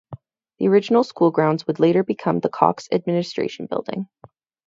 The original school grounds would later become the Cox Administration Building.